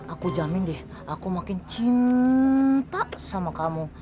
aku jamin deh aku makin cinta sama kamu